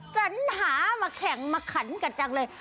ฉันหามาแข่งมาขันกันจังเลย